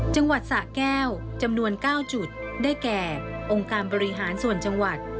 จังหวัดสะแก้วจำนวน๙จุดได้แก่องค์การบริหารส่วนจังหวัด